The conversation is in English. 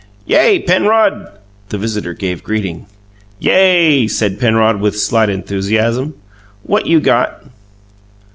"Yay, Penrod!" the visitor gave greeting. "Yay," said Penrod with slight enthusiasm. "What you got?"